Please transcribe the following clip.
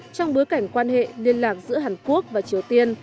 trong bối cảnh quan hệ liên lạc giữa hàn quốc và triều tiên